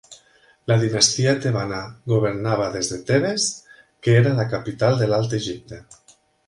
La dinastia tebana governava des de Tebes, que era la capital de l'Alt Egipte.